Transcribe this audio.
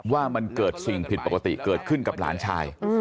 ว่ามันเกิดสิ่งผิดปกติเกิดขึ้นกับหลานชาย